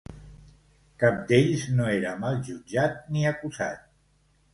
Cap d'ells no era mai jutjat ni acusat